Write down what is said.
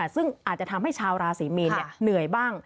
ซึ่งอาจจะทำให้ชาวราศีมีนเหนื่อยบ้าง